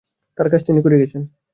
তাঁর কাজ তিনি করে গেছেন।